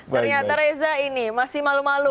ternyata reza ini masih malu malu